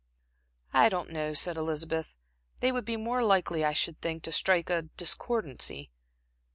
"I don't know," said Elizabeth. "They would be more likely, I should think, to strike a a discordancy.